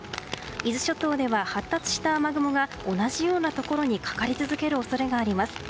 伊豆諸島では発達した雨雲が同じようなところにかかり続ける恐れがあります。